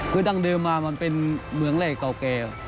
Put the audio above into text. คือดั้งเดิมมามันเป็นเมืองแรกเก่าแก่